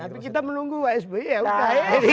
tapi kita menunggu pak sby ya udah